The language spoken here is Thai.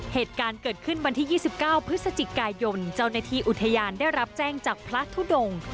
เหตุการณ์เกิดขึ้นวันที่๒๙พฤศจิกายนเจ้าหน้าที่อุทยานได้รับแจ้งจากพระทุดง